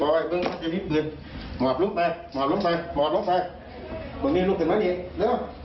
ลุกลุกลุกลุก